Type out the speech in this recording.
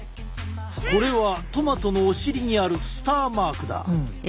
これはトマトのお尻にあるスターマークだ。